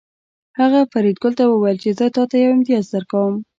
هغه فریدګل ته وویل چې زه تاته یو امتیاز درکوم